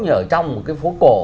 ở trong một cái phố cổ